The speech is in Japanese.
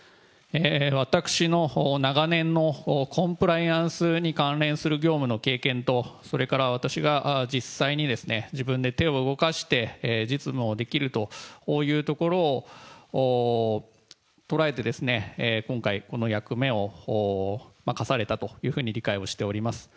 私の長年のコンプライアンスに関連する業務の経験と、それから私が実際にですね、自分で手を動かして実務をできるというところをとらえて、今回、この役目を課されたというふうに理解をしております。